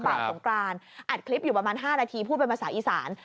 สงกรานอัดคลิปอยู่ประมาณ๕นาทีพูดเป็นภาษาอีสาน